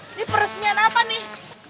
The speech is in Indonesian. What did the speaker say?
ini peresmian apa nih